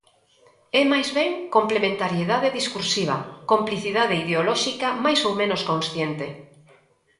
É máis ben complementariedade discursiva, complicidade ideolóxica máis ou menos consciente.